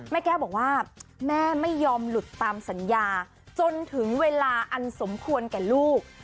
แม่แก้วบอกว่าแม่ไม่ยอมหลุดตามสัญญาจนถึงเวลาอันสมควรแก่ลูก